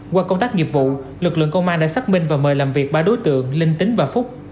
qua công tác nghiệp vụ lực lượng công an đã xác minh và mời làm việc ba đối tượng linh tính và phúc